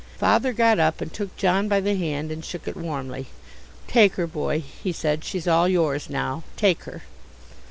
Father got up and took John by the hand and shook it warmly. "Take her, boy," he said. "She's all yours now, take her."